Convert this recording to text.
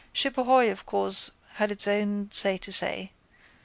Shipahoy of course had his own say to say.